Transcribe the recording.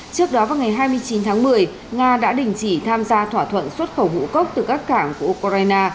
trước đó vào ngày hai mươi chín tháng một mươi nga đã đình chỉ tham gia thỏa thuận xuất khẩu ngũ cốc từ các cảng của ukraine